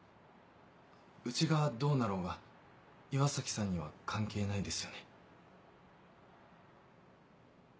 うちがどうなろうが岩崎さんには関係ないですよね。